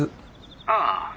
☎ああ。